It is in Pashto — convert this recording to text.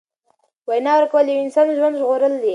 وینه ورکول د یو انسان ژوند ژغورل دي.